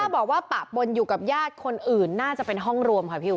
บอกว่าปะปนอยู่กับญาติคนอื่นน่าจะเป็นห้องรวมค่ะพี่อุ